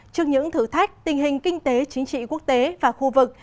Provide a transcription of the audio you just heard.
trước những thử thách tình hình kinh tế chính trị quốc tế và khu vực